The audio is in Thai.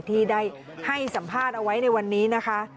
ที่ได้ให้สัมภาษณ์เอาไว้ในวันนี้นะคะ